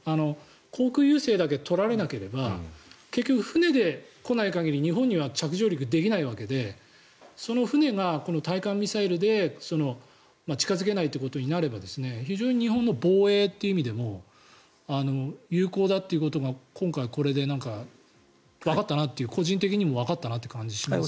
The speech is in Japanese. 航空優勢だけ取られなければ結局、船で来ない限り日本には着上陸できないわけでその船がこの対艦ミサイルで近付けないということになれば非常に日本の防衛という意味でも有効だということが今回、これでわかったなと個人的にもわかったなという感じがします。